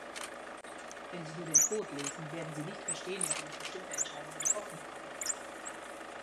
Wenn Sie nur den Code lesen, werden Sie nicht verstehen, warum ich bestimmte Entscheidungen getroffen habe.